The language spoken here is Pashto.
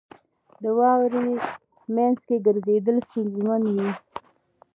• د واورې مینځ کې ګرځېدل ستونزمن وي.